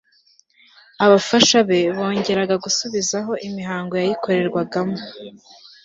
abafasha be bongeraga gusubizaho imihango yayikorerwagamo